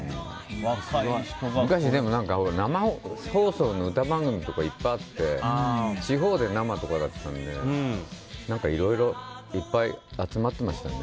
昔、生放送の歌番組とかいっぱいあって地方で生とかだったのでいろいろいっぱい集まってましたね。